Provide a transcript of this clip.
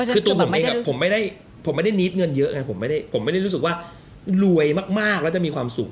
คือตัวผมเองผมไม่ได้ผมไม่ได้นิดเงินเยอะไงผมไม่ได้รู้สึกว่ารวยมากแล้วจะมีความสุข